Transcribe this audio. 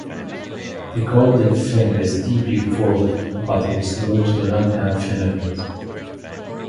The caudal fin is deeply forked but its lobes do not have filaments.